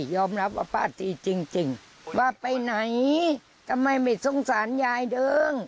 ยอมรับว่าป้าตีจริงว่าไปไหนทำไมไม่สงสารยายเดิม